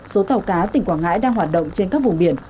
số tàu cá tỉnh quảng ngãi đang hoạt động trên các vùng biển